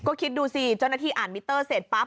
ก็คิดดูสิเจ้าหน้าที่อ่านมิเตอร์เสร็จปั๊บ